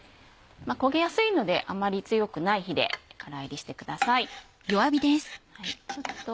焦げやすいのであまり強くない火でからいりしてください。